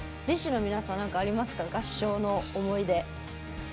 ＤＩＳＨ／／の皆さん何かありますか、合唱の思い出。